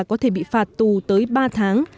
có thể bị phạt tù tới ba tháng